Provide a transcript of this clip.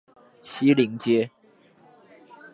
西陵街